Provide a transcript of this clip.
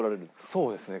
そうですね。